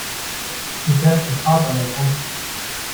Sie fährt schon hart an der Grenze.